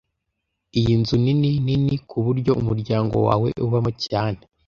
Iyi nzu nini nini kuburyo umuryango wawe ubamo cyane